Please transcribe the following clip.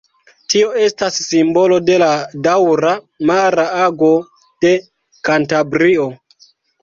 Tio estas simbolo de la daŭra mara ago de Kantabrio.